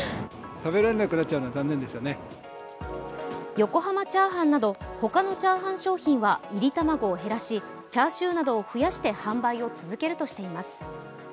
横濱チャーハンなど他のチャーハン商品は炒り玉子を減らしチャーシューなどを増やして販売を続けるとしています。